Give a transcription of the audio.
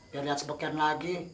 biar liat sedekat lagi